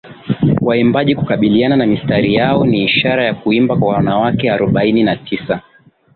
waimbaji kukabiliana na mistari yao ni ishara ya kuimba kwa wanawake Arobaini na tisa